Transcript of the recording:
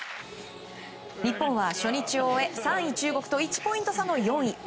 日本は初日を終え３位中国と１ポイント差の４位。